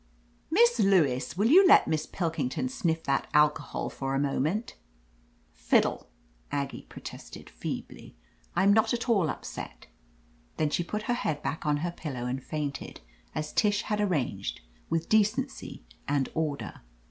Miss Lewis, will you let Miss Pilking ton sniff that alcohol for a moment ?" "Fiddle !" Aggie protested feebly. "I'm not at all upset" Then she put her head back on her pillow and fainted, as Tish had arranged, with decency and order.